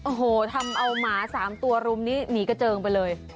โอ้โหทำเอาหมา๓ตัวรุมนี้หนีกระเจิงไปเลย